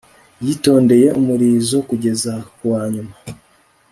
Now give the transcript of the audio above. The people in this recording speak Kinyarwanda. yitondeye umurizo kugeza ku wanyuma